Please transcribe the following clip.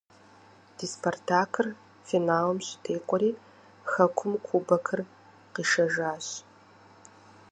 Ди «Спартак»-ыр финалым щытекӏуэри хэкум кубокыр къишэжащ.